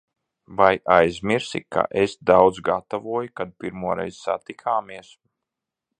Vai aizmirsi, ka es daudz gatavoju, kad pirmoreiz satikāmies?